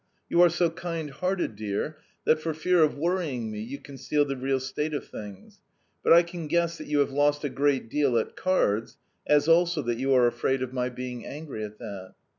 You are so kind hearted, dear, that, for fear of worrying me, you conceal the real state of things, but I can guess that you have lost a great deal at cards, as also that you are afraid of my being angry at that.